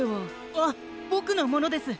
あっぼくのものです！